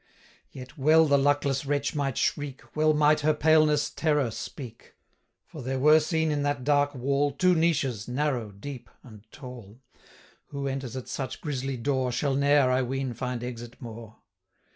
Yet well the luckless wretch might shriek, Well might her paleness terror speak! 435 For there were seen in that dark wall, Two niches, narrow, deep, and tall; Who enters at such grisly door, Shall ne'er, I ween, find exit more.